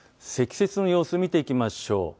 積雪の様子見ていきましょう。